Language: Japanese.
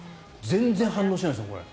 全然反応しないんですよ。